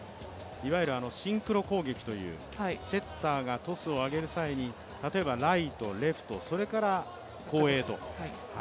シンクロ攻撃というセッターがトスを上げる際に例えばライト、レフトそれから後衛と。